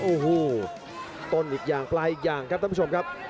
โอ้โหต้นอีกอย่างปลายอีกอย่างครับท่านผู้ชมครับ